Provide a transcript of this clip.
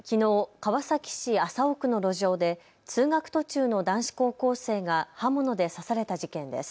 川崎市麻生区の路上で通学途中の男子高校生が刃物で刺された事件です。